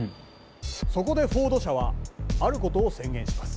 そこでフォード社はあることを宣言します。